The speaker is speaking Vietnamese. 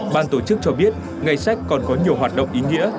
ban tổ chức cho biết ngày sách còn có nhiều hoạt động ý nghĩa